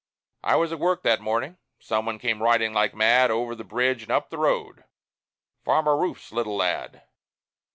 I was at work that morning. Some one came riding like mad Over the bridge and up the road Farmer Rouf's little lad.